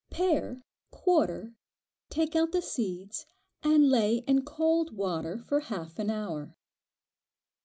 Pare, quarter, take out the seeds, and lay in cold water for half an hour.